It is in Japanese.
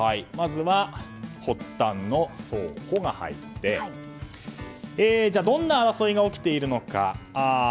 まずは発端の「ホ」が入ってどんな争いが起きているのか。